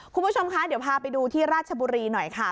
คุณผู้ชมคะเดี๋ยวพาไปดูที่ราชบุรีหน่อยค่ะ